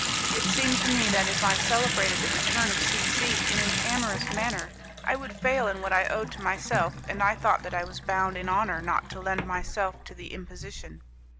It seemed to me that if I celebrated the return of C C in an amorous manner, I would fail in what I owed to myself, and I thought that I was bound in honour not to lend myself to the imposition.